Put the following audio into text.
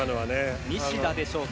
西田でしょうか。